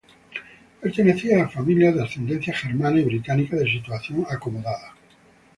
Pertenecía a familias de ascendencia germana y británica, de situación acomodada.